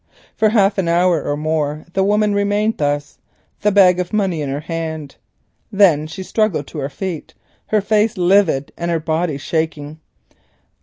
For half an hour or more the woman remained thus, the bag of money in her hand. Then she struggled to her feet, her face livid and her body shaking.